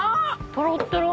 とろっとろ！